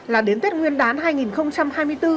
là đến tết nguyên đán hai nghìn hai mươi bốn